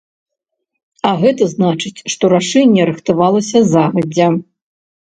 А гэта значыць, што рашэнне рыхтавалася загадзя.